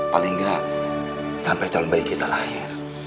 paling nggak sampai calon bayi kita lahir